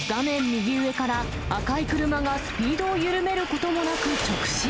右上から、赤い車がスピードを緩めることもなく直進。